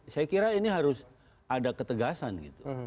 saya kira ini harus ada ketegasan gitu